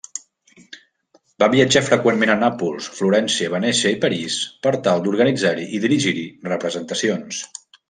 Va viatjar freqüentment a Nàpols, Florència, Venècia i París per tal d'organitzar-hi i dirigir representacions.